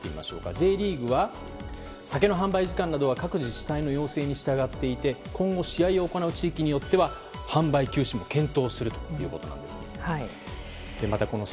Ｊリーグは酒の販売時間は各自治体の要請に従っていて今後試合を行う地域によっては販売休止も検討するということです。